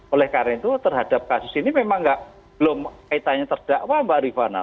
oleh karena itu terhadap kasus ini memang belum kaitannya terdakwa mbak rifana